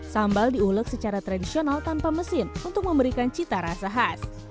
sambal diulek secara tradisional tanpa mesin untuk memberikan cita rasa khas